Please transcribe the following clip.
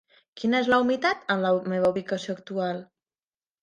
Quina és la humitat en la meva ubicació actual?